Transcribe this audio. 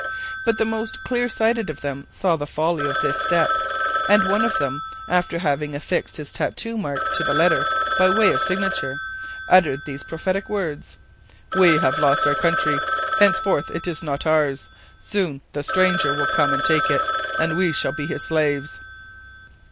But the most clearsighted of them saw the folly of this step; and one of them, after having affixed his tattoo mark to the letter by way of signature, uttered these prophetic words: "We have lost our country! henceforth it is not ours; soon the stranger will come and take it, and we shall be his slaves."